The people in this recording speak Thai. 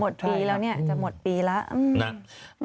ปีแล้วเนี่ยจะหมดปีแล้วนะ